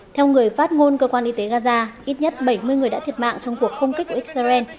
theo người phát ngôn cơ quan y tế gaza ít nhất bảy mươi người đã thiệt mạng trong cuộc không kích của israel